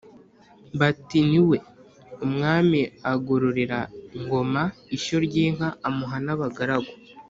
Bati «ni we.» Umwami agororera Ngoma ishyo ry'inka, amuha n'abagaragu,